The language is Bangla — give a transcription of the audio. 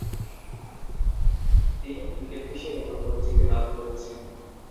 তিনি ক্রিকেট বিশ্বে ব্যাপক পরিচিতি লাভ করেছেন।